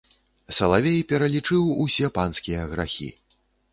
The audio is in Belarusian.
Салавей пералічыў усе панскія грахі.